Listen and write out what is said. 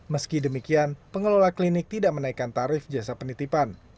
meski demikian pengelola klinik tidak menaikkan tarif jasa penitipan